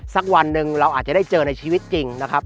สักวันหนึ่งเราอาจจะได้เจอในชีวิตจริงนะครับ